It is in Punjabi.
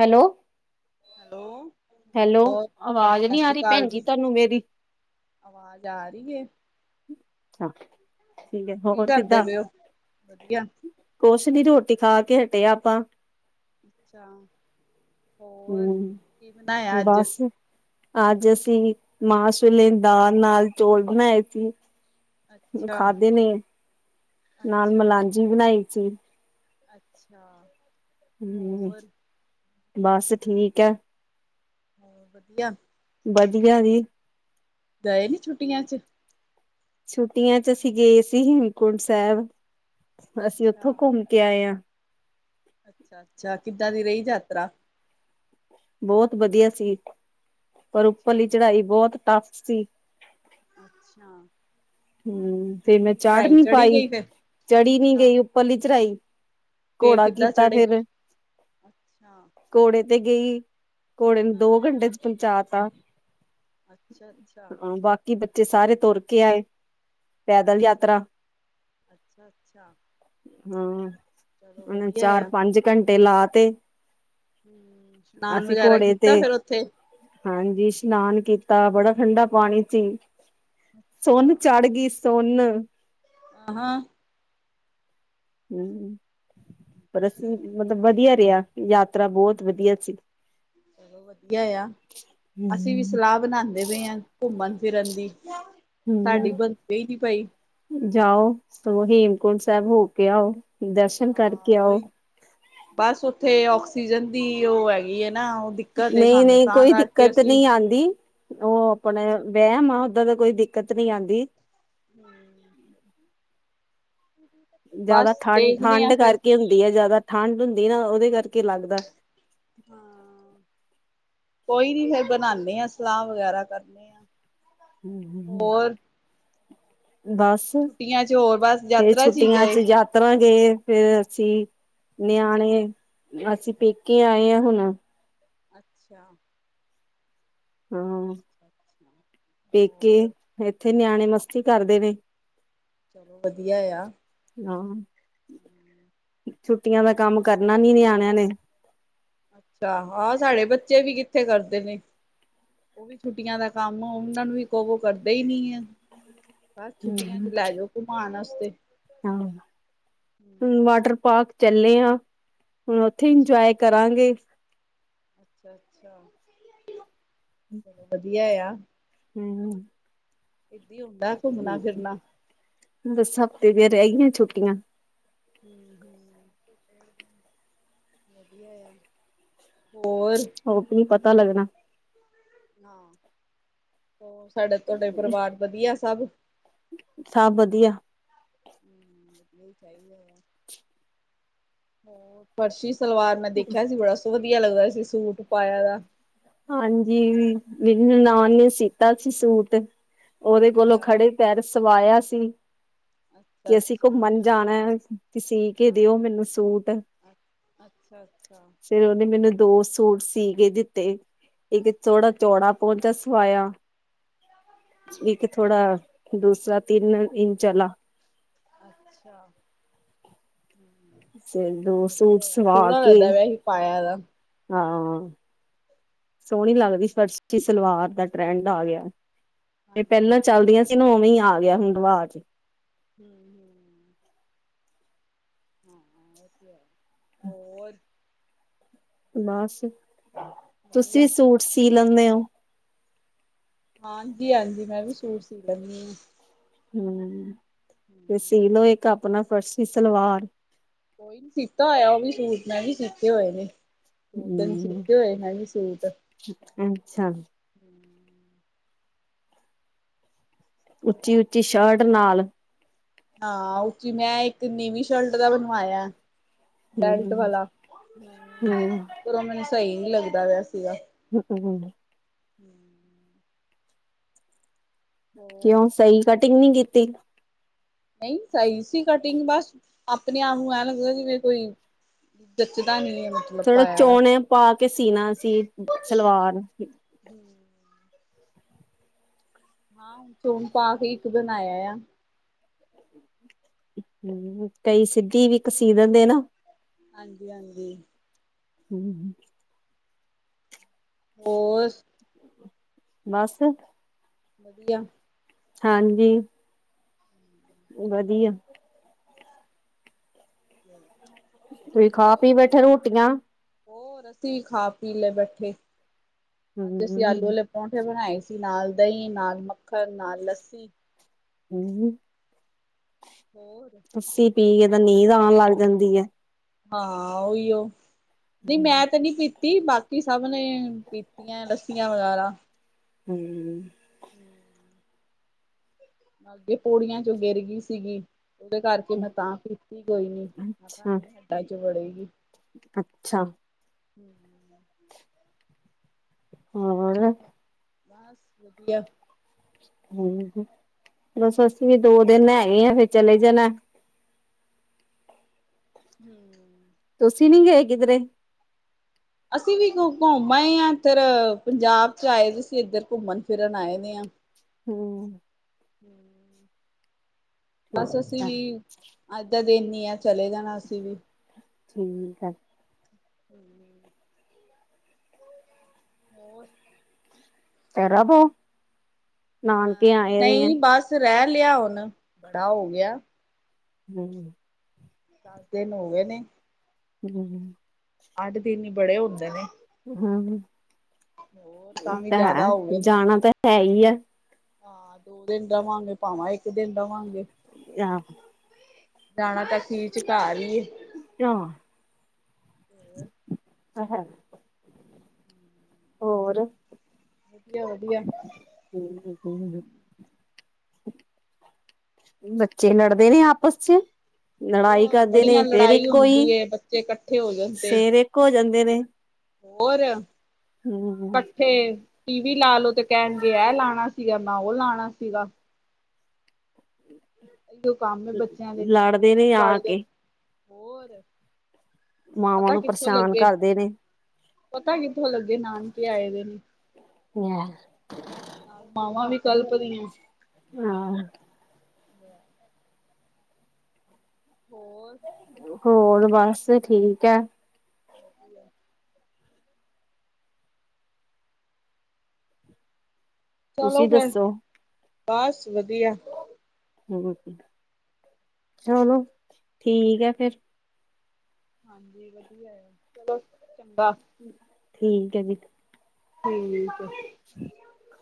ਹੈਲੋ, ਹੈਲੋ ਹੈਲੋ, ਹੋਰ ਅਵਾਜ਼ ਸਤਿ ਨਹੀਂ ਆ ਸ੍ਰੀ ਰਹੀ ਅਕਾਲ ਭੈਣਜੀ ਜੀ ਤੁਹਾਨੂੰ ਮੇਰੀ? ਆਵਾਜ਼ ਆ ਰਹੀ ਹੈ? ਅੱਛਾ, ਠੀਕ ਹੈ ਕੀ ਹੋਰ ਕਰਦੇ ਕਿੱਦਾਂ? ਪਏ ਹੋ ਵਧੀਆ ਕੁਛ ਨੀ ਰੋਟੀ ਖਾ ਕੇ ਹਟਿਆ ਆਪਾਂ। ਅੱਛਾ, ਹੋਰ ਕੀ ਬਣਾਇਆ ਹੂੰ ਅੱਜ ਬਸ, ਅੱਜ ਅਸੀਂ ਮਾਸ ਵੇਲੇ ਦਾਲ ਨਾਲ ਚੋਲ ਬਣਾਏ ਸੀ। ਅੱਛਾ ਖਾਧੇ ਨੇ ਨਾਲ ਅੱਛਾ ਮਲਾਂਝ ਬਣਾਈ ਸੀ। ਅੱਛਾ, ਹੂੰ, ਹੋਰ ਬਸ ਠੀਕ ਹੈ। ਹੋ ਵਧੀਆ, ਵਧੀਆ ਜੀ, ਗਏ ਨੀ ਛੁੱਟੀਆਂ ਚ? ਛੁੱਟੀਆਂ ਚ ਅਸੀਂ ਗਏ ਸੀ, ਹੇਮਕੁੰਟ ਸਾਹਿਬ ਅਸੀਂ ਉੱਥੋਂ ਅੱਛਾ ਘੁੰਮ ਕੇ ਆਏ ਹਾਂ। ਅੱਛਾ-ਅੱਛਾ ਕਿੱਦਾਂ ਦੀ ਰਹੀ ਯਾਤਰਾ, ਬਹੁਤ ਵਧੀਆ ਸੀ, ਪਰ ਅੱਛਾ ਉੱਪਰਲੀ ਚੜ੍ਹਾਈ ਬਹੁਤ ਟਫ ਸੀ। ਅੱਛਾ, ਹਮ ਫੇ ਮੈਂ ਚਾੜ ਚੜਾਈ ਨੀ ਚੜੀ ਪਾਈ ਗਈ ਫਿਰ ਚੜੀ ਨੀ ਅੱਛਾ ਗਈ ਉੱਪਰਲੀ ਚੜਾਈ ਫੇਰ ਘੋੜਾ ਕਿੱਦਾਂ ਕੀਤਾ ਚੜੇ ਫੇਰ ਅੱਛਾ ਘੋੜੇ ਤੇ ਗਈ। ਘੋੜੇ ਨੂੰ ਦੋ ਹਾਂ ਘੰਟੇ ਚ ਪਹੁੰਚਾ ਤਾ, ਅੱਛਾ ਅੱਛਾ ਹਾਂ ਬਾਕੀ ਬੱਚੇ ਸਾਰੇ ਤੁਰ ਕੇ ਆਏ ਪੈਦਲ ਅੱਛਾ ਯਾਤਰਾ, ਅੱਛਾ, ਅੱਛਾ, ਹਾਂ ਚਲੋ ਉਹਨ ਵਧੀਆ ਚਾਰ ਆ। ਪੰਜ ਘੰਟੇ ਲਾਤੇ, ਹੂੰ ਇਸ਼ਨਾਨ ਵਗੈਰਾ ਘੋੜੇ ਤੇ ਕੀਤਾ ਫੇਰ ਉੱਥੇ ਹਾਂਜੀ ਇਸ਼ਨਾਨ ਕੀਤਾ ਬੜਾ ਠੰਡਾ ਪਾਣੀ ਤੀ ਅੱਛਾ, [unintelligible] ਹਾਂ, ਹੂੰ ਪਰ ਅੱਛਾ ਅਸੀਂ ਜੀ। ਮਤਲਬ ਵਧੀਆ ਰਿਹਾ ਯਾਤਰਾ ਬਹੁਤ ਵਧੀਆ ਸੀਂ। ਚਲੋ ਵਧੀਆ ਆ ਅਸੀਂ ਵੀ ਹਮ ਸਲਾਹ ਬਣਾਉਂਦੇ ਪਏ ਆ ਘੁੰਮਣ ਫਿਰਨ ਦੀ ਸਾਡੀ ਹਮ ਬਣਦੀ ਨਹੀਂ ਪਈ, ਜਾਓ ਸਗੋਂ ਹੇਮਕੁੰਟ ਸਾਹਿਬ ਹੋ ਕੇ ਆਓ, ਦਰਸ਼ਨ ਹਾਂ ਕਰਕੇ ਆਓ। ਉਹੀ। ਬਸ ਉੱਥੇ ਆਕਸੀਜ਼ਨ ਦੀ ਉਹ ਹੈਗੀ ਹੈ, ਨਾ ਉਹਦੀ ਨਹੀਂ ਨਹੀਂ ਕੋਈ ਦਿੱਕਤ ਨਹੀਂ ਆਦੀ। ਉਹ ਆਪਣੇ ਵਹਿਮ ਆ, ਓਦਾਂ ਤਾਂ ਕੋਈ ਦਿੱਕਤ ਨੀ ਆਦੀ। [unintelligible] ਬਸ ਜ਼ਿਆਦਾ ਦੇਖਦੇ ਆ ਠੰਡ-ਠੰਡ ਫੇਰ। ਕਰਕੇ ਹੁੰਦੀ ਹੈ, ਜ਼ਿਆਦਾ ਠੰਡ ਹੁੰਦੀ ਨਾ ਉਹਦੇ ਕਰਕੇ ਲੱਗਦਾ। ਹਾਂ ਕੋਈ ਨੀ ਫੇਰ ਬਣਾਦੇ ਹਾਂ ਸਲਾਹ ਵਗੈਰਾ ਕਰਨੇ ਹਾ। ਹੂੰ ਹੂੰ ਹੂੰ। ਹੋਰ? ਬਸ, ਇਹ ਛੁੱਟੀਆਂ ਚ ਹੋਰ ਬਸ ਯਾਤਰਾ ਚ ਹੀ ਗਏ। ਇਸ ਤਰ੍ਹਾਂ ਗਏ, ਫੇਰ ਅਸੀਂ ਨਿਆਣੇ ਅਸੀਂ ਪੇਕੇ ਆਏ ਹਾਂ ਹੁਣ ਅੱਛਾ ਹੂੰ, ਅੱਛਾ, ਪੇਕੇ ਹੋਰ ਇੱਥੇ ਨਿਆਣੇ ਮਸਤੀ ਕਰਦੇ ਨੇ, ਚਲੋ ਵਧੀਆ ਆ। ਹਾਂ ਛੁੱਟੀਆਂ ਦਾ ਕੰਮ ਕਰਨਾ ਨੀ ਨਿਆਣਿਆਂ ਨੇ, ਅੱਛਾ ਆਹ ਸਾਡੇ ਬੱਚੇ ਵੀ ਕਿੱਥੇ ਕਰਦੇ ਨੇ, ਉਹ ਵੀ ਛੁੱਟੀਆਂ ਦਾ ਕੰਮ ਉਹਨਾ ਨੂੰ ਵੀ ਕਹੋ ਕਰਦੇ ਹੀ ਨੀ ਹੈਂ। ਬਸ ਛੁੱਟੀਆਂ ਚ ਹੂੰ। ਲੈ ਜਾਓ ਘੁਮਾਉਣ ਵਾਸਤੇ ਹਾਂ ਹੁਣ ਵਾਟਰ ਪਾਰਕ ਚੱਲੇ ਆ ਹੁਣ ਉੱਥੇ ਇੰਜੋਏ ਕਰਨ ਕਰਾਂਗੇ। ਅੱਛਾ-ਅੱਛਾ, ਚੱਲੋ ਵਧੀਆ ਆ। ਹੂੰ-ਹੂੰ। ਏਦਾਂ ਹੀ ਹੁੰਦਾ, ਘੁੰਮਣਾ ਫਿਰਨਾ। ਦਸ ਹਫ਼ਤੇ ਦੀਆਂ ਰਹਿ ਗਈਆਂ ਛੁੱਟੀਆਂ। ਹੂੰ- ਹੂੰ, ਵਧੀਆ ਐ। ਹੋਰ ਹੋਰ ਕੀ ਪਤਾ ਲੱਗਣਾ ਹਾਂ, ਸਾਡੇ ਤੁਹਾਡੇ ਪਰਿਵਾਰ ਵਧੀਆ ਸਭ। ਸਭ ਵਧੀਆ। ਹੂੰ, ਵਧੀਆ ਈ ਚਾਹੀਦਾ ਗਾ। ਹੋਰ ਫਰਸ਼ੀ ਸਲਵਾਰ ਮੈਂ ਦੇਖਿਆ ਸੀ, ਬੜਾ ਸ ਵਧੀਆ ਲੱਗਦਾ ਸੀ, ਸੂਟ ਪਾਇਆ ਦਾ। ਹਾਂਜੀ, ਮੇਰੀ ਨਨਾਨ ਨੇ ਸੀਤਾ ਸੀ ਸੂ, ਟ ਉਹਦੇ ਕੋਲੋਂ ਅੱਛਾ, ਖੜੇ ਪੈਰ ਸਵਾਇਆ ਸੀ, ਅੱਛਾ, ਕਿ ਅਸੀਂ ਅੱਛਾ। ਘੁੰਮਣ ਜਾਣਾ। ਤੇ ਸੀਅ ਕੇ ਦਿਓ ਹਾਂ। ਮੈਨੂੰ ਸੂਟ। ਅੱਛਾ, ਅੱਛਾ, ਫਿਰ ਉਹਨੇ ਮੈਨੂੰ ਦੋ ਸੂਟ ਸੀਅ ਕੇ ਦਿੱਤੇ, ਇੱਕ ਥੋੜਾ ਚੌੜਾ ਪਹੁੰਚਾ ਸਵਾਇਆ। ਇੱਕ ਥੋੜਾ ਦੂਸਰਾ ਤਿੰਨ ਇੰਚ ਆਲਾ। ਅੱਛਾ, ਹੂੰ, ਫਿਰ ਚਲੋ ਦੋ ਸੂਟ ਵਧੀਆ, ਸੋਹਣਾ ਲੱਗਦਾ ਪਿਆ ਸੀ ਪਾਇਆ ਹੋਇਆ ਦਾ। ਹੂੰ, ਸੋਹਣੀ ਲੱਗਦੀ ਸੀ ਫਰਸ਼ੀ ਸਲਵਾਰ ਦਾ ਟਰੈਂਡ ਆ ਗਿਆ, ਤੇ ਹਾਂਜੀ, ਪਹਿਲਾਂ ਹਾਂਜੀ। ਚੱਲਦੀਆਂ ਸੀ। ਤੇ ਉਵੇਂ ਹੀ ਆ ਗਿਆ ਹੁਣ ਰਵਾਜ਼। ਹੂੰ-ਹੂੰ, ਹਾਂ ਉਹ ਤੇ ਹੈ, ਹੋਰ ਹੁਣ ਬਸ, ਵਧੀਆ ਤੁਸੀਂ ਸੂਟ ਸੀਅ ਲੈਂਨੇ ਹੋ। ਹਾਂਜੀ-ਹਾਂਜੀ, ਮੈਂ ਵੀ ਸੂਟ ਸੀਅ ਲੈਂਨੀ ਹਾਂ। ਹੂੰ, ਤੇ ਸੀਅ ਲੋ ਇੱਕ ਆਪਣਾ ਫਰਸੀ ਸਲਵਾਰ। ਕੋਈ ਨੀ ਸੀਤਾ ਹੋਇਆ ਉਹ ਵੀ ਸੂਟ, ਮੈਂ ਵੀ ਸੀਤੇ ਹੋਏ ਨੇ। ਹੋਰ ਤਾਂ ਨੀ ਹਮ ਸੀਤੇ ਹੋਏ, ਮੈਂ ਵੀ ਸੂਟ। [inaudible] ਉੱਚੀ-ਉੱਚੀ ਸ਼ਰਟ ਨਾਲ ਹਾਂ ਉੱਚੀ, ਮੈਂ ਇੱਕ ਨੀਵੀਂ ਸ਼ਰਟ ਦਾ ਬਣਵਾਇਆ। ਬੈਲਟ ਹਮ ਵਾਲਾ, ਹੂੰ ਹਮ ਫੇਰ ਮੈਨੂੰ ਸਹੀ ਨਹੀਂ ਲੱਗਦਾ ਪਿਆ ਸੀਗਾ। [inaudible] ਹੂੰ, ਹੋ ਕਿਉਂ ਸਹੀ ਕਟਿੰਗ ਨੀ ਕੀਤੀ। ਨਹੀਂ ਸਹੀ ਸੀ ਕਟਿੰਗ ਬਸ, ਆਪਣੇ ਆਪ ਨੂੰ ਐਂ ਲੱਗਦਾ ਜਿਵੇਂ ਕੋਈ ਜੱਚਦਾ ਨੀ ਏ ਮਤ ਥੋੜਾ ਚੋਣੇ ਪਾ ਕੇ ਸੀਣਾ ਸੀ ਸਲਵਾਰ। ਹੂੰ, ਹਾਂ, ਚੋਣ ਪਾ ਕੇ ਈ ਇੱਕ ਦਿਨ ਆਇਆ ਐ। ਕਈ ਸਿੱਧੀ ਵੀ ਇੱਕ ਸੀਅ ਦਿੰਦੇ ਨਾ। ਹਾਂਜੀ-ਹਾਂਜੀ। ਹੂੰ-ਹੂੰ। ਬੋਸ ਬਸ ਵਧੀਆ। ਹਾਂਜੀ। ਵੀ ਵਧੀਆ। ਹੋਰ ਤੁਸੀਂ ਖਾ ਪੀ ਬੈਠੇ ਰੋਟੀਆਂ। ਹੋਰ, ਅਸੀਂ ਖਾ ਪੀ ਲੈ ਬੈਠੇ ਅੱਜ ਅਸੀਂ ਆਲੂ ਹਮ ਆਲੇ ਪਰੋਂਂਠੇ ਬਣਾਏ ਸੀ, ਨਾਲ ਦਹੀਂ, ਨਾਲ ਮੱਖਣ, ਨਾਲ ਲੱਸੀ। ਹੂੰ, ਹੂੰ। ਹੋਰ? ਲੱਸੀ ਪੀ ਕੇ ਤਾਂ ਨੀਂਦ ਆਣ ਲੱਗ ਜਾਂਦੀ ਐ। ਹਾਂ ਓਹੀਔ ਨਹੀਂ ਹੂੰ। ਮੈਂ ਤੇ ਨਹੀਂ ਪੀਤੀ। ਪੀਤੀ ਬਾਕੀ ਸਭ ਨੇ ਪੀਤੀਆਂ ਲੱੱਸੀਆਂ ਵਗੈਰਾ। ਹੂੰ। ਹਮ। ਇਹ ਪੌੜੀਆਂ ਚੋਂ ਗਿਰ ਗਈ ਸੀਗੀ। ਉਹਦੇ ਕਰਕੇ ਮੈਂ ਤਾਂ ਪੀਤੀ ਕੋਈ ਨੀ ਮੈਂ ਕਿਹਾ ਅੱਛਾ, ਐਵੇਂ ਹਡਾਂ ਚ ਵੜੇਗੀ। ਅੱਛਾ। ਹਮ। ਹੋਰ। ਬਸ ਵਧੀਆ। ਹੋਰ ਕੀ ਬਸ ਅੱਸੀਂ ਵੀ ਦੋ ਦਿਨ ਹੈਗੇ ਆ ਫਿਰ ਚਲੇ ਜਾਣੈ। ਹਮ। ਤੁਸੀ ਨੀ ਗਏ ਕਿਧਰੇ? ਅਸੀਂ ਵੀ ਘੁੰਮ ਆਏ ਹਾਂ ਇੱਧਰ ਪੰਜਾਬ ਚ ਆਏ ਸੀ ਇੱਧਰ ਘੁੰਮਣ ਫਿਰਨ ਆਏ ਦੇ ਹਾਂ। ਹੂੰ। ਹਮ। ਬਸ ਅਸੀਂ ਠੀਕ ਆ, ਵੀ ਅੱਜ ਦਾ ਦਿਨ ਈ ਆ ਚਲੇ ਜਾਣਾ ਅਸੀਂ ਵੀ। ਠੀਕ ਹੈ। ਹੂੰ। ਹੋਰ? ਤੇਰਾਂ ਕੂ ਨਾਨਕੇ ਆਏ ਦੇ ਐ। ਚ ਰੈ ਲਿਆ ਹੁਨ, ਬੜਾ ਹੋ ਗਿਆ। ਹੂੰ। ਨਾਨਕੇ ਹੋ ਗਏ ਨੇ। ਹੂੰ। ਅੱਠ ਦਿਨ ਈ ਬੜੇ ਹੁੰਦੇ ਨੇ। ਹੂੰ, ਹੋਰ ਏ ਵੀ ਤਾਂ ਜ਼ਿਆਦਾ ਹੋ ਹੈ ਗਏ ਨੇ ਜਾਣਾ ਤਾਂ ਹੈ ਈ ਐ। ਹਾਂ, ਦੋ ਦਿਨ ਦਵਾਂਗੇ, ਭਾਂਵੇ ਇੱਕ ਦਿਨ ਰਵਾਂਗੇ। ਆਹੋ। ਜਾਣਾ ਤਾਂ ਅਖੀਰ ਚ ਘਾੱਰ ਈ ਏ। ਕਿਓਂ, ਆਏ ਹਾਏ। ਹੋਰ। ਘਿਓ ਦੀ ਆ। ਹਮ [unintelligible] ਬੱਚੇ ਲੜਦੇ ਨੇ ਆਪਸ ਚ। ਲੜਾਈ ਹੋਰ ਕਰਦੇ ਨੇ ਬੜੀਆਂ ਫੇਰ ਲੜਾਈ ਇੱਕੋ ਹੀ। ਹੁੰਦੀ ਏ ਬੱਚੇ ਇਕੱਠੇ ਹੋ ਜਾਣ ਤੇ ਫੇਰ ਇੱਕ ਹੋ ਜਾਂਦੇ ਨੇ। ਹੋਰ, ਹੂੰ ਇਕੱਠੇ ਟੀ ਵੀ ਲਾ ਲੋੋ ਤੇ ਕਹਿਣਗੇ ਇਹ ਲਾਣਾ। ਸੀਗਾ ਮੈਂ ਔ ਲਾਣਾ ਸੀਗਾ। ਅਈਔ ਕੰਮ ਏ ਬੱਚਿਆਂ ਦੇ ਜਾਂ ਲੜਦੇ ਫੋਨਾਂ ਚ ਨੇ ਆ ਵੜ ਦੇਣ, ਕੇ ਹੋਰ। ਮਾਵਾਂ ਪਤਾ ਨੂੰ ਕਿੱਥੋਂ ਪਰੇਸ਼ਾਨ ਲੱਗੇ ਕਰਦੇ ਨੇ। ਪਤਾ ਕਿੱਥੋਂ ਲੱਗੇ ਨਾਨਕੇ ਆਏ ਦੇ ਨੇ। ਹੁਮ ਆ ਨਾਲ ਮਾਵਾਂ ਵੀ ਕਲਪਦੀਆਂ। ਹਾਂ। ਬੜਾ। ਹੋਰ। ਹੋਰ, ਬਾਸ ਠੀਕ ਐ। ਐ ਵੀ ਆ। [inaudible] ਚਲੋ ਤੁਸੀਂ ਫੇਰ, ਦੱਸੋ ਬਾਸ ਵਧੀਆ। ਹੁਣ ਰੋਟੀ ਚਲੋ, ਠੀਕ ਐ ਫੇਰ। ਹਾਂਜੀ, ਵਧੀਆ ਐ ਚਲੋ ਚੰਗਾ। ਠੀਕ ਏ ਜੀ ਠੀਕ ਏ। [inaudible]